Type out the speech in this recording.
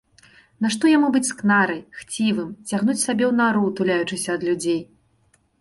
Нашто яму быць скнарай, хцівым, цягнуць сабе у нару, туляючыся ад людзей?